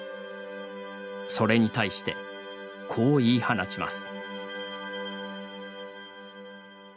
それに対して、こう言い放ちます。